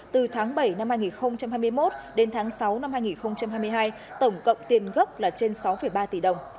từ tháng bảy năm hai nghìn hai mươi một đến tháng sáu năm hai nghìn hai mươi hai tổng cộng tiền gấp là trên sáu ba tỷ đồng